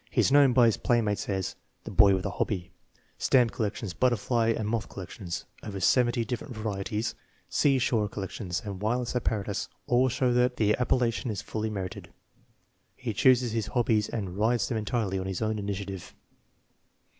He is known by his playmates as "the boy with a hobby," Stamp collections, butterfly and moth collections (over 70 different varie ties), seashore collections, and wireless apparatus all show that the appellation is fully merited. He chooses his hobbies and " rides " them entirely on his 'own initiative.